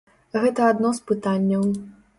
Гэта адно з пытанняў.